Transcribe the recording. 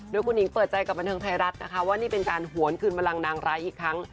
และคุณหญิงเปิดใจกับภัณฑ์เท้ารัสนะคะว่านี่เป็นการหววนคืนมารังนางร้ายอีกครั้ง